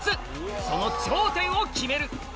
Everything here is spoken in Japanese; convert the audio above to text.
その頂点を決める